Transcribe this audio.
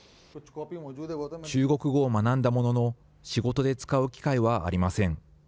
中国語を学んだものの仕事で使う機会はありません。